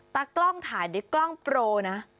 กล้องถ่ายด้วยกล้องโปรนะ